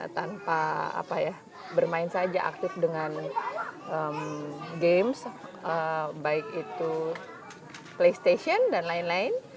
tanpa bermain saja aktif dengan games baik itu playstation dan lain lain